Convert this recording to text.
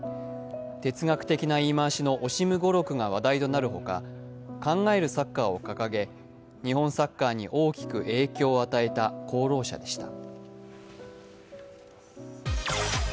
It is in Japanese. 哲学的な言い回しのオシム語録が話題となるほか考えるサッカーを掲げ、日本サッカーに大きく影響を与えた功労者でした。